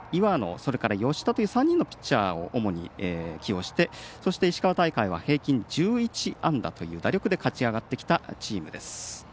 それから吉田という３人のピッチャーを主に起用してそして、石川大会は平均１１安打という打力で勝ちあがってきたチームです。